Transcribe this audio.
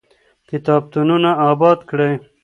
کتابتونونه آباد کړئ.